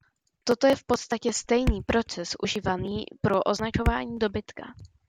Toto je v podstatě stejný proces užívaný pro označování dobytka.